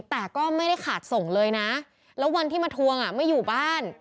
แต่ก็ไม่ได้ขาดส่งเลยนะแล้ววันที่มาทวงอ่ะไม่อยู่บ้าน